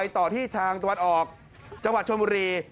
ต่อที่ทางตลอดออกจังหวัดชมรี